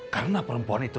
karena perempuan itu